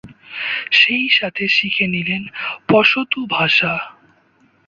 সেই সাথে শিখে নিলেন পশতু ভাষা।